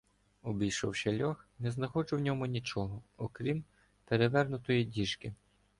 Обійшовши льох, не знаходжу в ньому нічого, окрім перевернутої діжки.